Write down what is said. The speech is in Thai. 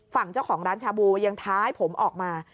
ฝั่งเจ้าของร้านชาบูยังท้ายผมออกมา